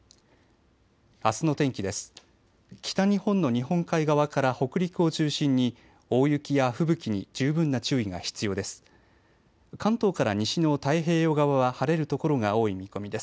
あすの天気です。